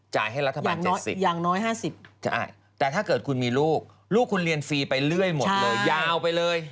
จ่ายให้รัฐบาล๗๐บาทใช่แต่ถ้าเกิดคุณมีลูกลูกคุณเรียนฟรีไปเรื่อยหมดเลยยาวไปเลย